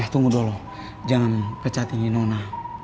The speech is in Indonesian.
eh tunggu dulu jangan kecatingin nona